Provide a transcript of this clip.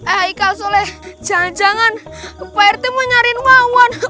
eh aiko soleh jangan jangan prt mau nyariin wawan